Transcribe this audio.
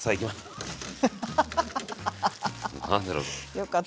よかった。